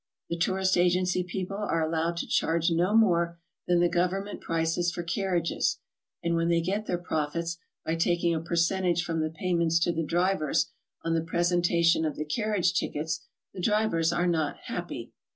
The tourist agency people are allowed to charge no more than the government prices for carriages, and when they get their profits by taking a percentage from the payments to the drivers on the presentation of the car riage tickets, the drivers are not happy.